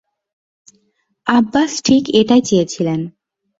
আব্বাস ঠিক এটাই চেয়েছিলেন।